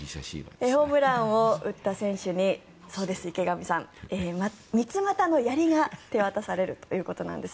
ホームランを打った選手に三つまたのやりが手渡されるということなんです。